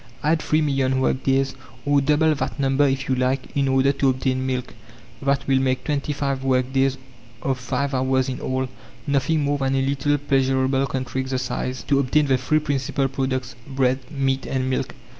Add three million work days, or double that number if you like, in order to obtain milk. That will make twenty five work days of five hours in all nothing more than a little pleasureable country exercise to obtain the three principal products: bread, meat, and milk.